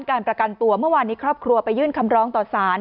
การประกันตัวเมื่อวานนี้ครอบครัวไปยื่นคำร้องต่อสาร